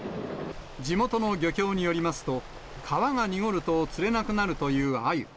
地元の漁協によりますと、川が濁ると釣れなくなるというアユ。